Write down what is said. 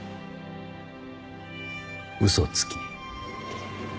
嘘つき。